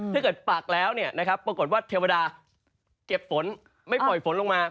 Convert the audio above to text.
ถ้าเกิดปักแล้วปรากฏว่าเทวดาเก็บฝนไม่ปล่อยฝนลงมา